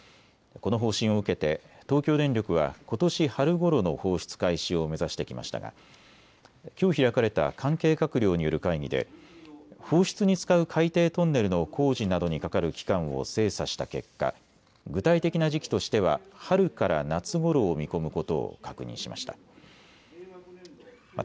この方針を受けて東京電力はことし春ごろの放出開始を目指してきましたがきょう開かれた関係閣僚による会議で放出に使う海底トンネルの工事などにかかる期間を精査した結果、具体的な時期としては春から夏ごろを見込むことを確認しました。